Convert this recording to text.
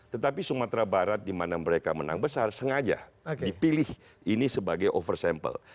tetapi sumatera barat di mana mereka menang besar sengaja dipilih ini sebagai oversample